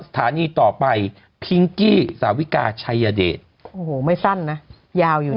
สถานีต่อไปพิงกี้สาวิกาชัยเดชโอ้โหไม่สั้นนะยาวอยู่นะ